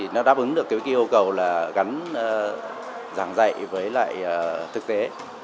nó đáp ứng được cái ký hô cầu là gắn giảng dạy với thực tế